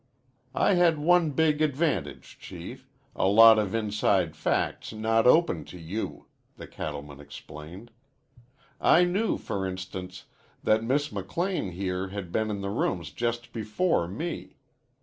"I had one big advantage, Chief, a lot of inside facts not open to you," the cattleman explained. "I knew, for instance, that Miss McLean here had been in the rooms just before me.